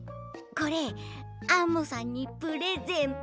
これアンモさんにプレゼント。